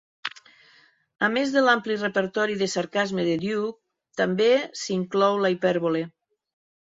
A més de l'ampli repertori de sarcasme de Doug, també s'hi inclou la hipèrbole.